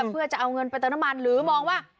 เพื่อจะเอาเงินไปเติมน้ำมันหรือมองว่า